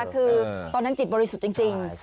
คือตอนนั้นจิตบริสุทธิ์จริง